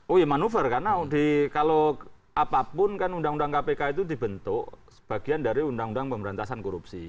oh ya manuver karena kalau apapun kan undang undang kpk itu dibentuk sebagian dari undang undang pemberantasan korupsi